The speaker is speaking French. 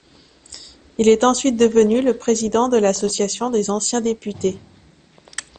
Il est ensuite devenu le président de l'association des anciens députés.